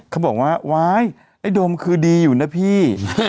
เขาบอกว่าว้ายไอ้โดมคือดีอยู่นะพี่